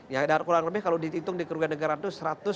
ya kurang lebih kalau dihitung di kerugian negara itu